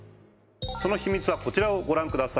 その秘密はこちらをご覧ください。